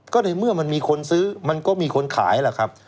ก็ในเมื่อมันมีคนซื้อมันก็มีคนขายล่ะครับ